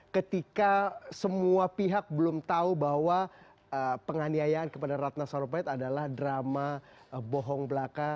ketika semua pihak belum tahu bahwa penganiayaan kepada ratna sarumpait adalah drama bohong belaka